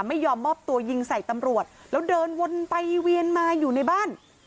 ไม่ยอมมอบตัวยิงใส่ตำรวจแล้วเดินวนไปเวียนมาอยู่ในบ้าน